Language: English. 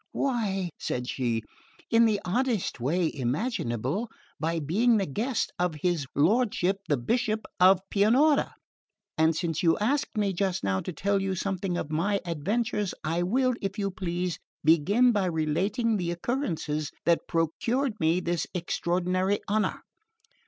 "Why," said she, "in the oddest way imaginable by being the guest of his lordship the Bishop of Pianura; and since you asked me just now to tell you something of my adventures, I will, if you please, begin by relating the occurrences that procured me this extraordinary honour.